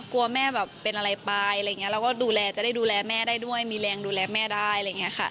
แม่แบบเป็นอะไรไปอะไรอย่างนี้เราก็ดูแลจะได้ดูแลแม่ได้ด้วยมีแรงดูแลแม่ได้อะไรอย่างนี้ค่ะ